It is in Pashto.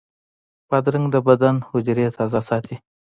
بادرنګ د بدن حجرې تازه ساتي.